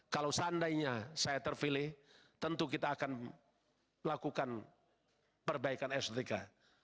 kalau seandainya saya terpilih tentu kita akan melakukan perbaikan estetika